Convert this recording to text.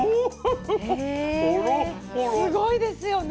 すごいですよね。